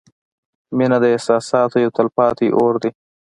• مینه د احساساتو یو تلپاتې اور دی.